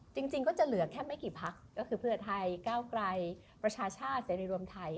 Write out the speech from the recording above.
จริงก็จะเหลือแค่ไม่กี่พักก็คือเพื่อไทยก้าวไกลประชาชาติเสรีรวมไทย